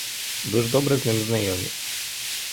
Ви ж добре з ним знайомі.